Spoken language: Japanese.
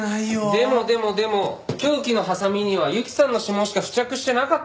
でもでもでも凶器のはさみには雪さんの指紋しか付着してなかったんですよね？